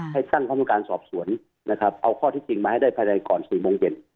ให้สร้างความรู้การสอบสวนนะครับเอาข้อที่จริงมาให้ได้ภายในกรณ์ศูนย์มงเย็น